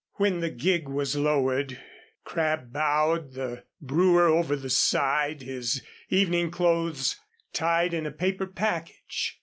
When the gig was lowered, Crabb bowed the brewer over the side, his evening clothes tied in a paper package.